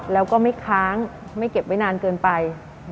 แล้วก็ไม่ค้างไม่เก็บไว้นานเกินไป